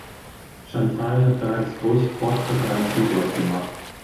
Chantal hat bereits große Fortschritte am Keyboard gemacht.